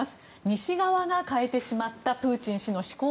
西側が変えてしまったプーチン氏の思考